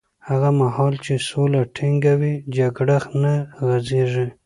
هغه مهال چې سوله ټینګه وي، جګړه نه غځېږي.